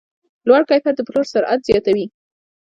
لوړ کیفیت د پلور سرعت زیاتوي.